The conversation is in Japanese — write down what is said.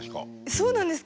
そうなんですか？